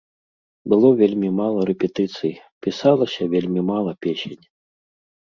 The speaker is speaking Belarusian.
Было вельмі мала рэпетыцый, пісалася вельмі мала песень.